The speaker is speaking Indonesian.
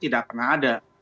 tidak pernah ada